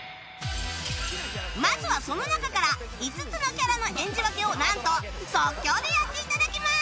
まずはその中から５つのキャラの演じ分けをなんと即興でやっていただきます！